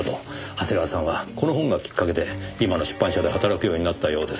長谷川さんはこの本がきっかけで今の出版社で働くようになったようですよ。